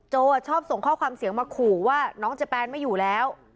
ชอบส่งข้อความเสียงมาขู่ว่าน้องเจแปนไม่อยู่แล้ว